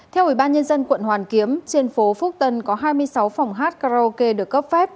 theo ủy ban nhân dân quận hoàn kiếm trên phố phước tân có hai mươi sáu phòng hát karaoke được cấp phép